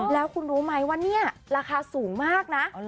แล้วคุณรู้ไหมว่าเนี่ยราคาสูงมากนะ